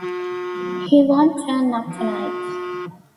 He won't turn up to-night.